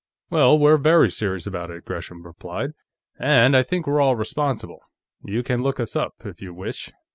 "Well, we're very serious about it," Gresham replied, "and I think we're all responsible. You can look us up, if you wish.